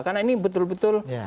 karena ini betul betul